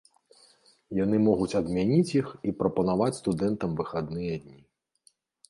Яны могуць адмяніць іх і прапанаваць студэнтам выхадныя дні.